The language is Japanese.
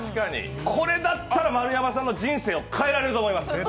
これだったら丸山さんの人生を変えられると思います。